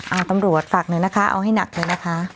เอาตำรวจฝากหน่อยนะคะเอาให้หนักเลยนะคะ